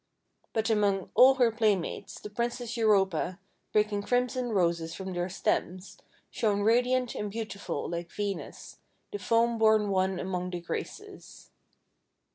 But among all her playmates, the Princess Europa, breaking crimson Roses from their stems, shone radiant and beautiful like Venus, the Foam born One among the Graces.